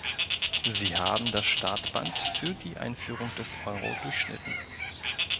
Sie haben das Startband für die Einführung des Euro durchschnitten.